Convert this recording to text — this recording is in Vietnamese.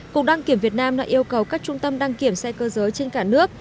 cục đăng kiểm việt nam đã yêu cầu các trung tâm đăng kiểm xe cơ giới trên cả nước